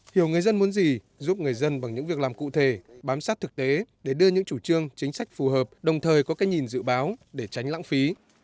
hiểu người dân muốn gì giúp người dân bằng những việc làm cụ thể bám sát thực tế để đưa những chủ trương chính sách phù hợp đồng thời có cái nhìn dự báo để tránh lãng phí